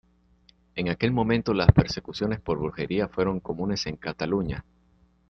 En aquel momento las persecuciones por brujería fueron comunes en Cataluña.